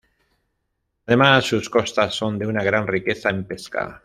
Además, sus costas son de una gran riqueza en pesca.